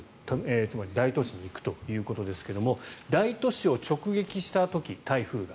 つまり大都市に行くということですが大都市を直撃した時、台風が。